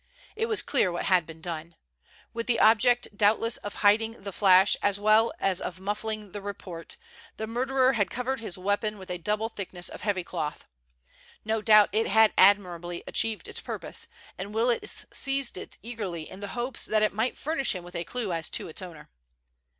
It was clear what had been done. With the object doubtless of hiding the flash as well as of muffling the report, the murderer had covered his weapon with a double thickness of heavy cloth. No doubt it had admirably achieved its purpose, and Willis seized it eagerly in the hope that it might furnish him with a clue as to its owner.